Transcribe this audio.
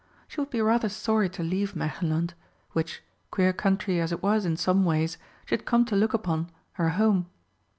She would be rather sorry to leave Märchenland, which, queer country as it was in some ways, she had come to look upon her home.